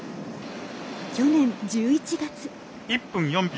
去年１１月。